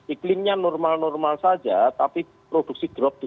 iklimnya normal normal saja tapi produksi drop tujuh tujuh